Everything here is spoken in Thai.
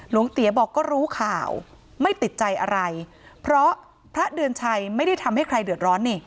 เตี๋ยบอกก็รู้ข่าวไม่ติดใจอะไรเพราะพระเดือนชัยไม่ได้ทำให้ใครเดือดร้อนนี่